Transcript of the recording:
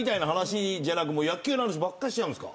もう野球の話ばっかりしちゃうんですか？